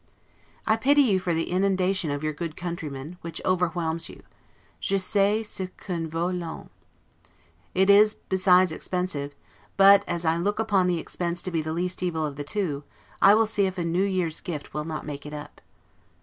I pity you for the inundation of your good countrymen, which overwhelms you; 'je sais ce qu'en vaut l'aune. It is, besides, expensive, but, as I look upon the expense to be the least evil of the two, I will see if a New Year's gift will not make it up.